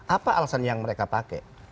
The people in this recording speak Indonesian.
apa alasan yang mereka pakai